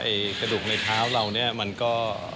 กระดูกในเท้าเราเนี่ยมันก็